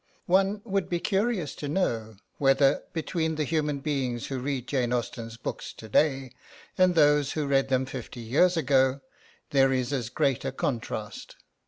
One would be curious to know whether, between the human beings who read Jane Austen's books to day and those who read them fifty years ago, there is as great a contrast.